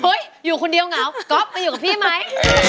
อยู่คนเดียวเหงาก๊อฟมาอยู่กับพี่ไหม